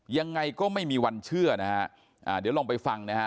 ยังไงก็ไม่มีวันเชื่อนะฮะอ่าเดี๋ยวลองไปฟังนะฮะ